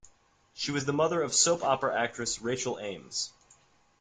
She was the mother of soap opera actress Rachel Ames.